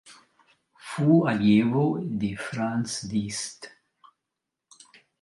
Fu allievo di Franz Liszt.